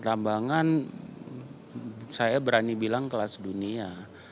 tambangan saya berani bilang kelas dunia